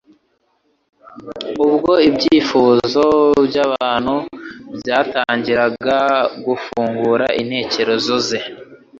Ubwo ibyifuzo by'abantu byatangiraga gufungura intekerezo ze